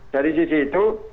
dari sisi itu